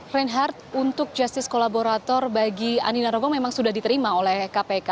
reinhardt untuk justice collaborator bagi alina rogong memang sudah diterima oleh kpk